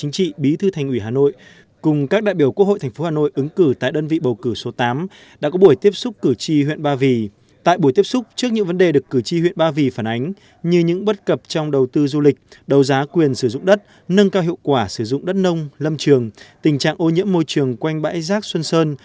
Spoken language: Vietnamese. sử dụng đất nâng cao hiệu quả sử dụng đất nông lâm trường tình trạng ô nhiễm môi trường quanh bãi giác xuân sơn